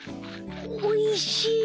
おいしい！